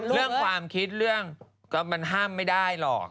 เรื่องความคิดเรื่องก็มันห้ามไม่ได้หรอก